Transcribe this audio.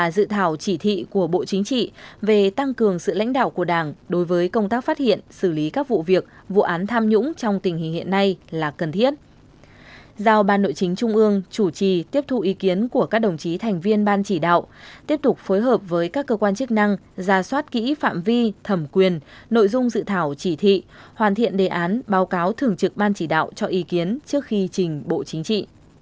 giao ban nội chính trung ương chủ trì tiếp thu ý kiến của các đồng chí thành viên ban chỉ đạo tiếp tục phối hợp với các cơ quan chức năng ra soát kỹ phạm vi thẩm quyền nội dung dự thảo chỉ thị hoàn thiện đề án báo cáo thường trực ban chỉ đạo cho ý kiến trước khi trình bộ chính trị